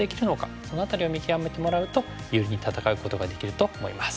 その辺りを見極めてもらうと有利に戦うことができると思います。